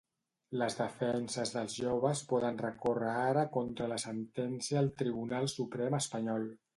Les defenses dels joves poden recórrer ara contra la sentència al Tribunal Suprem espanyol.